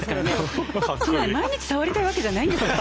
そんなね毎日触りたいわけじゃないんですよ